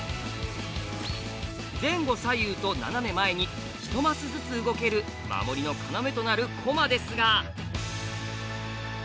前後左右と斜め前に一マスずつ動ける守りの要となる駒ですが。